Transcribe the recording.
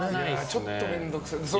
ちょっと面倒くさいです。